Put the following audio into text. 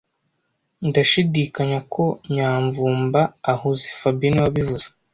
Ndashidikanya ko Nyamvumba ahuze fabien niwe wabivuze